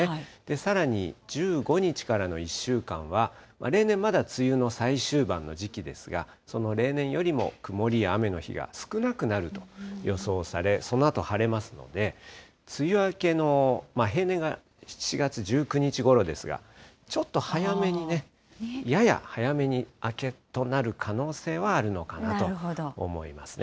さらに１５日からの１週間は、例年、まだ梅雨の最終盤の時期ですが、その例年よりも曇りや雨の日が少なくなると予想され、そのあと晴れますので、梅雨明けの、平年が７月１９日ごろですが、ちょっと早めにね、やや早めに明けとなる可能性はあるのかなと思いますね。